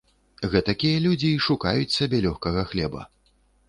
Гэтакія людзі й шукаюць сабе лёгкага хлеба.